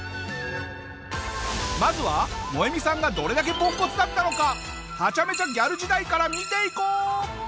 まずはモエミさんがどれだけポンコツだったのかはちゃめちゃギャル時代から見ていこう！